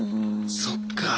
そっか。